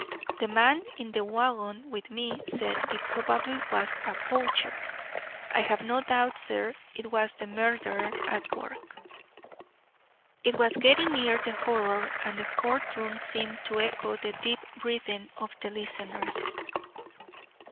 The man in the wagon with me said it probably was a poacher. I have no doubt, sir, it was the murderer at work." This was getting near the horror, and the court room seemed to echo the deep breathing of the listeners.